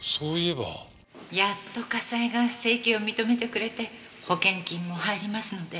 やっと家裁が請求を認めてくれて保険金も入りますので。